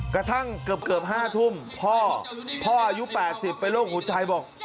กระทั่งเกือบ๕ทุ่มพ่อพ่ออายุ๘๐เป็นโรคหัวใจบอก